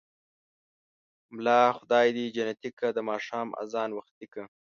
ملا خداى دى جنتې که ـ د ماښام ازان وختې که.